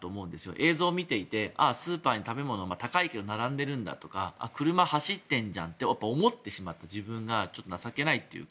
映像を見ていてスーパーに食べ物高いけど並んでるんだとか車走ってるじゃんって思ってしまう自分がちょっと情けないっていうか。